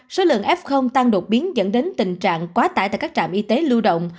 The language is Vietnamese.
số lượng f tăng đột biến dẫn đến tình trạng quá tải tại các trạm y tế lưu động